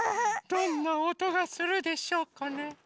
どんなおとがするでしょうかね。